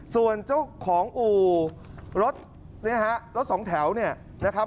ส่วนเจ้าของอู่รถรถสองแถวนี่นะครับ